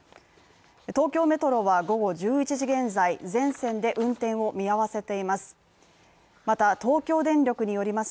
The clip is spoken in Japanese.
東京メトロは午後１１時現在、全線で運転を見合わせています。